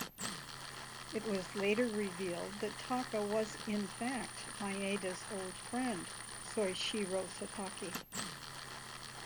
It was later revealed that Taka was, in fact, Maeda's old friend, Soishiro Satake.